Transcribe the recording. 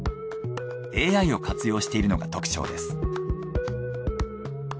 ＡＩを活用しているのが特徴です。